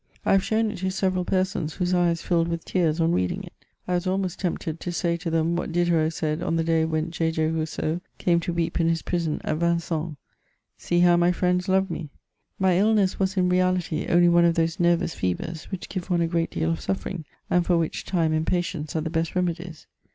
1 have shown it to several persons, whose eyes filled with tears on reading it. I was almost tempted to say to them what Diderot said on the day when J. J. Rousseau came to weep in bis prison at Vincennes :* See how my friends love me !' My illness was in reality only one of those nervous fevers which give one a great deal of suffering, and for which time and patience are the best remedies.